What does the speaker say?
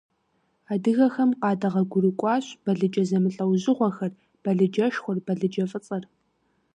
Адыгэхэм къадэгъуэгурыкӀуащ балыджэ зэмылӀэужьыгъуэхэр, балыджэшхуэр, балыджэфӀыцӀэр.